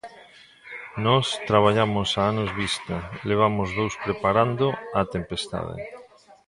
Nós traballamos a anos vista, levamos dous preparando A tempestade.